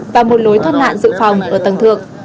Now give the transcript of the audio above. và một lối thoát nạn dự phòng ở tầng thượng